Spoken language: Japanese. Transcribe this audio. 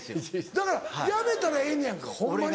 だからやめたらええのやんかホンマに。